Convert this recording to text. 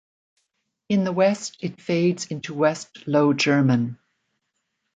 In the West it fades into West Low German.